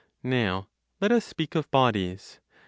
Now let us speak of bodies.